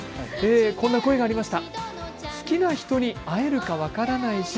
こんな声もありました。